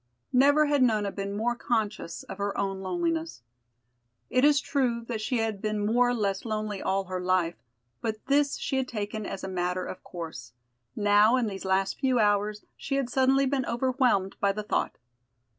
Never had Nona been more conscious of her own loneliness. It is true that she had been more or less lonely all her life, but this she had taken as a matter of course. Now in these last few hours she had suddenly been overwhelmed by the thought.